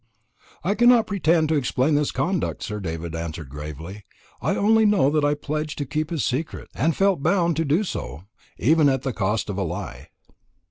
"I cannot pretend to explain his conduct," Sir David answered gravely. "I only know that I pledged myself to keep his secret; and felt bound to do so, even at the cost of a lie."